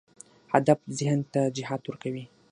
هدف ذهن ته جهت ورکوي.